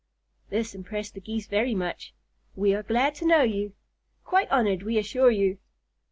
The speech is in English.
This impressed the Geese very much. "We are glad to know you. Quite honored, we assure you!"